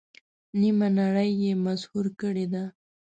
نیمه نړۍ یې مسحور کړې ده.